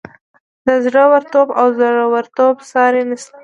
د زړه ورتوب او زورورتوب ساری نشته.